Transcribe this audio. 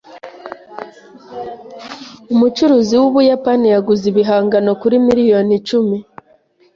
Umucuruzi wumuyapani yaguze ibihangano kuri miliyoni icumi.